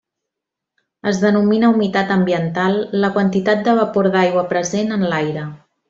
Es denomina humitat ambiental la quantitat de vapor d'aigua present en l'aire.